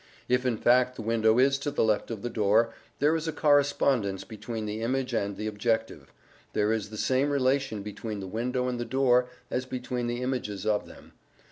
If in fact the window is to the left of the door, there is a correspondence between the image and the objective; there is the same relation between the window and the door as between the images of them.